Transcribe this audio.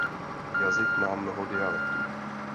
Jazyk má mnoho dialektů.